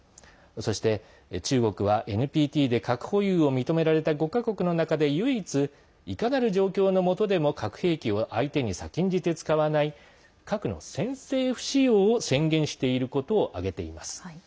そして、中国はＮＰＴで核保有を認められた５か国の中で唯一、いかなる状況のもとでも核兵器を相手に先んじて使わない核の先制不使用を宣言していることを挙げています。